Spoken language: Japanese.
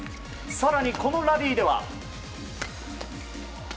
更に、このラリーでは。